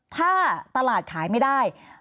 ถ้าตลาดขายไม่ได้